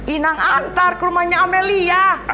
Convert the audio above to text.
inang antar ke rumahnya amelia